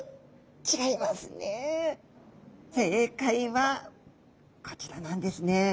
正解はこちらなんですね。